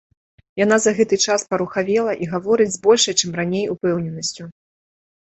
Яна за гэты час парухавела і гаворыць з большай, чым раней, упэўненасцю.